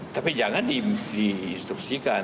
tapi jangan disuksikan